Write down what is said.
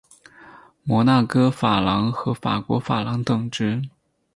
摩纳哥法郎和法国法郎等值。